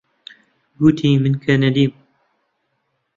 گوتی من کەنەدیم.